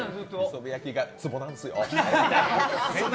磯辺焼きがツボなんですよ。